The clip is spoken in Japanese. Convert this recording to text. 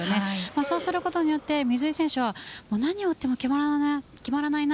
そうすることによって水井選手は何を打っても決まらないな。